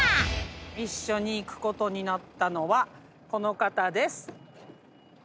一緒に行くことになったのはこの方です。